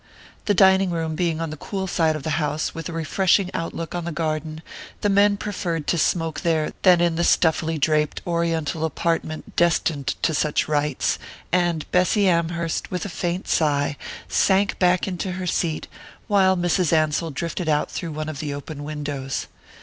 The dining room being on the cool side the house, with a refreshing outlook on the garden, the men preferred to smoke there rather than in the stuffily draped Oriental apartment destined to such rites; and Bessy Amherst, with a faint sigh, sank back into her seat, while Mrs. Ansell drifted out through one of the open windows.